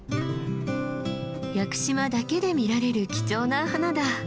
屋久島だけで見られる貴重な花だ。